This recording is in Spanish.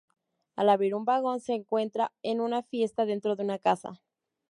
Al abrir un vagón se encuentra en una fiesta dentro de una casa.